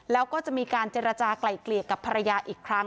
แล้วก็จะมีการเจรจากลายเกลี่ยกับภรรยาอีกครั้ง